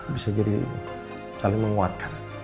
bisa jadi saling menguatkan